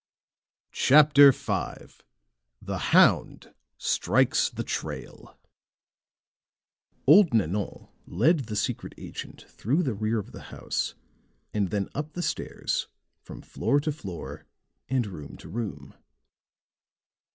CHAPTER V THE HOUND STRIKES THE TRAIL Old Nanon led the secret agent through the rear of the house and then up the stairs from floor to floor and room to room.